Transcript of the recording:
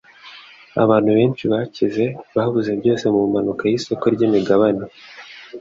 abantu benshi bakize babuze byose mu mpanuka y’isoko ryimigabane